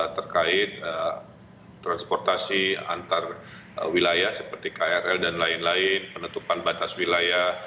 terkait transportasi antar wilayah seperti krl dan lain lain penutupan batas wilayah